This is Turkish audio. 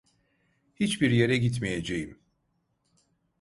Hiçbir yere gitmeyeceğim.